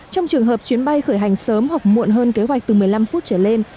trong trường hợp chuyến bay khởi hành sớm hoặc muộn hơn kế hoạch từ một mươi năm phút trở lên